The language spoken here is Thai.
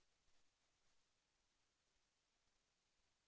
แสวได้ไงของเราก็เชียนนักอยู่ค่ะเป็นผู้ร่วมงานที่ดีมาก